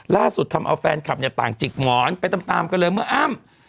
ทำเอาแฟนคลับเนี่ยต่างจิกหงอนไปตามกันเลยเมื่ออ้ำ